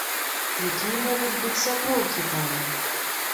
Якія могуць быць сяброўкі там?